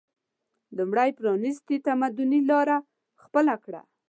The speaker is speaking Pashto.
لومړی پرانیستي تمدني لاره خپله کړه